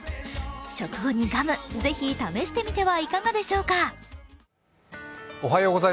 食後にガム、ぜひ試してみてはいかがでしょうか？